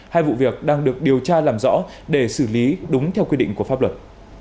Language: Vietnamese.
hai vụ việc đang được điều tra làm rõ để xử lý đúng theo quy định của pháp luật